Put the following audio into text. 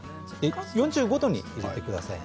４５度に入れてください。